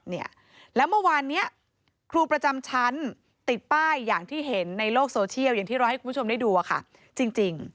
เนี่ยแล้วเมื่อวานเนี้ยครูประจำชั้นติดป้ายอย่างที่เห็นในโลกโซเชียลอย่างที่เราให้คุณผู้ชมได้ดูอะค่ะจริง